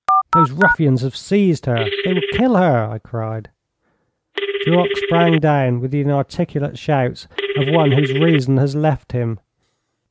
'Those ruffians have seized her. They will kill her,' I cried. Duroc sprang down with the inarticulate shouts of one whose reason has left him.